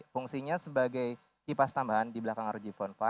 fungsinya sebagai kipas tambahan di belakang rog phone lima